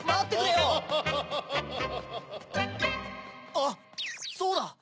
あっそうだ！